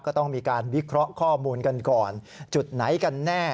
ก็ต้องมีการวิเคราะห์ข้อมูลกันก่อนจุดไหนกันแน่